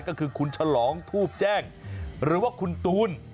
ก็คือคุณฉลองทูบแจ้งหรือว่าคุณตูน